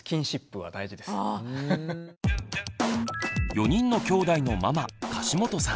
４人のきょうだいのママ樫本さん。